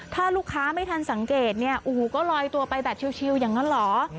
ถ้าลูกค้าไม่ทันสังเกตเนี่ยโอ้โหก็ลอยตัวไปแบบชิลอย่างนั้นเหรอ